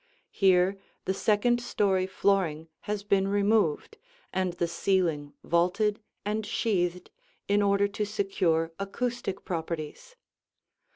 Here the second story flooring has been removed, and the ceiling vaulted and sheathed, in order to secure acoustic properties.